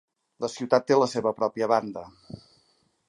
La ciutat té la seva pròpia banda.